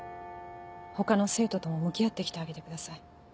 他の生徒とも向き合ってきてあげてください。